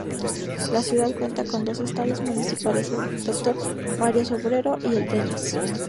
La ciudad cuenta con dos estadios municipales: el Dr. Mario Sobrero y el Tenis.